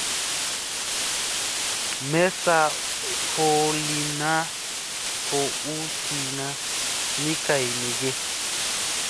Messa fo lin naa fo u tiina ni kay me ge ?